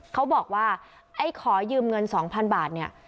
เขาบอกว่าไอ้ขอยืมเงิน๒๐๐๐บาทเนี่ย